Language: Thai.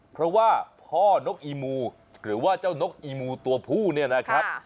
เพราะว่าพ่อนกอีมูหรือว่าเจ้านกอีมูตัวผู้เนี่ยนะครับ